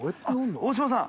大島さん）